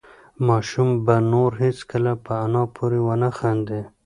ماشوم به نور هېڅکله په انا پورې ونه خاندي.